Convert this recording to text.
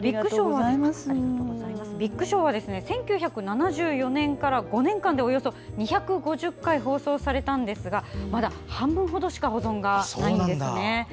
「ビッグショー」は１９７４年から５年間でおよそ２５０回放送されたんですがまだ半分ほどしか保存がないんですね。